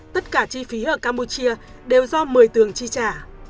tất cả chi phí ở campuchia đều do mười tường chi trả